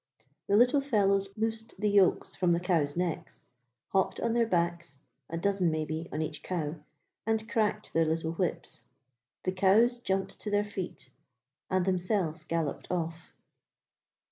The Little Fellows loosed the yokes from the cows' necks, hopped on their backs, a dozen, maybe, on each cow, and cracked their little whips. The cows jumped to their feet and Themselves galloped off!